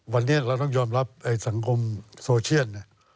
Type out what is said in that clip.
วันนี้เราต้องยอมรับสังคมโซเชียลเนี่ย